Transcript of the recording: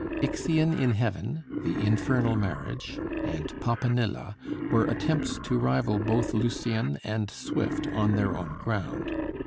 'Ixion in Heaven,' 'The Infernal Marriage,' and 'Popanilla' were attempts to rival both Lucian and Swift on their own ground.